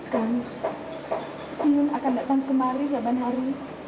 kami ingin akan datang semari zaman hari